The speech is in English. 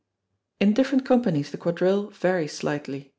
In different companies the Quadrille varies slightly.